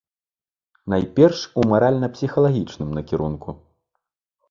Найперш, у маральна-псіхалагічным накірунку.